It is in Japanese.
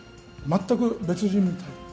全く別人みたい。